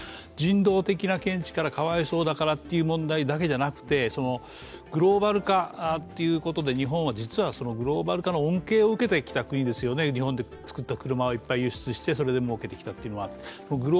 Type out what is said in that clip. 人道的な見地からかわいそうだからという問題だけじゃなくてグローバル化ということで、実は日本はそのグローバル化の恩恵を受けてきた国ですよね、日本で作った車をいっぱい、輸出して、それでもうけてきたというのがある。